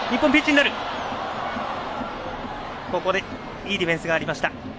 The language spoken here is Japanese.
いいディフェンスがありました。